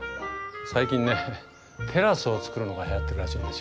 最近ねテラスを作るのがはやってるらしいんですよ。